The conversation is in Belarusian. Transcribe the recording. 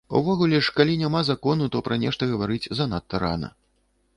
Увогуле ж, калі няма закону, то пра нешта гаварыць занадта рана.